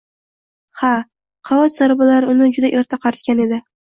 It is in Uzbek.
Ha, hayot zarbalari uni juda erta qaritgan edi.